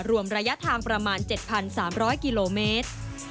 รวมระยะทางประมาณ๗๓๐๐กิโลเมตร